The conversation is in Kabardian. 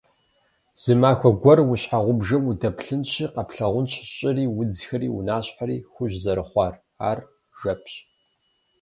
Зы махуэ гуэр уэ щхьэгъубжэм удэплъынщи къэплъагъунщ щӏыри, удзхэри, унащхьэри хужь зэрыхъуар, ар жэпщ.